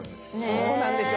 そうなんですよ。